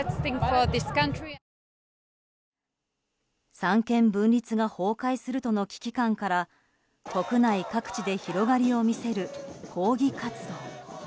三権分立が崩壊するとの危機感から国内各地で広がりを見せる抗議活動。